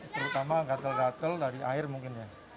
terutama gatel gatel dari air mungkin ya